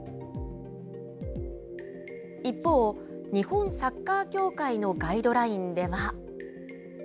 一方、日本サッカー協会のガイドラインでは。